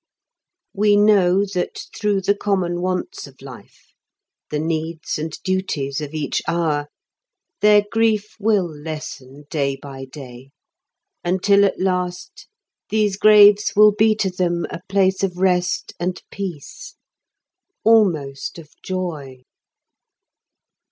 We know that through the common wants of life, the needs and duties of each hour, their grief will lessen day by day until at last these graves will be to them a place of rest and peace—almost of joy.